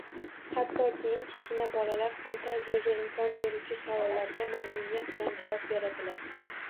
Hattoki eng kichkina bolalar fantaziyaga imkon beruvchi savollarga mamnuniyat bilan javob beradilar.